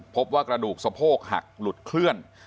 พบว่ากระดูกสะโพกหักหลุดเคลื่อน